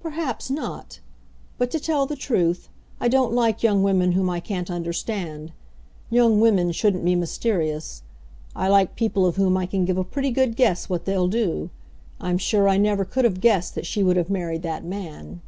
"Perhaps not. But, to tell the truth, I don't like young women whom I can't understand. Young women shouldn't be mysterious. I like people of whom I can give a pretty good guess what they'll do. I'm sure I never could have guessed that she would have married that man."